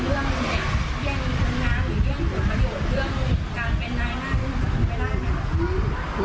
เรื่องการจะเป็นแมล่งนั่งด้วยมันจะทำไม่ได้ไหม